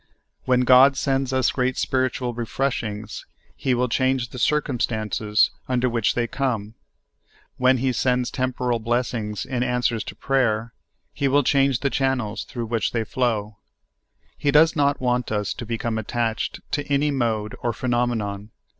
When God sends us great spiritual refreshings, He will change the circum stances under which they come ; when He sends tem poral blessings in answer to praj er. He will change the channels through which they flow. He does not want us to become attached to any mode or phenomenon.